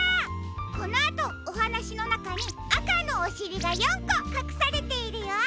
このあとおはなしのなかにあかのおしりが４こかくされているよ。